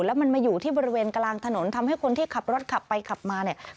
แล้วมันมาอยู่ที่บริเวณกลางถนนทำให้คนที่ขับรถขับไปขับมาเนี่ย